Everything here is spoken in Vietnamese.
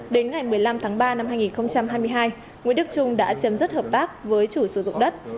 đến ngày một mươi năm tháng ba năm hai nghìn hai mươi hai nguyễn đức trung đã chấm dứt hợp tác với chủ sử dụng đất